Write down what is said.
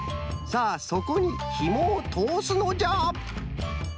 さあそこにひもをとおすのじゃ。